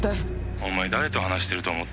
「お前誰と話してると思ってんだよ」